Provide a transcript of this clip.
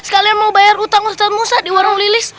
kalian mau bayar utang ustadz musa di warung lilis